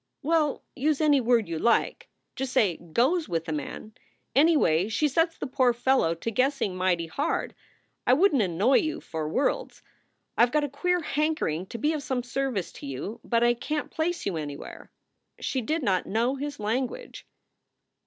"Well, use any word you like just say goes with a man anyway, she sets the poor fellow to guessing mighty hard. I wouldn t annoy you for worlds. I ve got a queer hankering to be of some service to you. But I can t place you anywhere." She did not know his language.